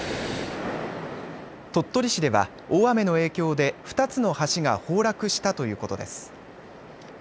鳥取市では大雨の影響で２つの橋が崩落したということです。